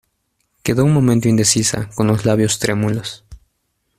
quedó un momento indecisa, con los labios trémulos.